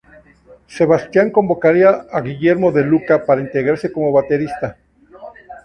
Sebastián convocaría a Guillermo De Lucca para integrarse como baterista.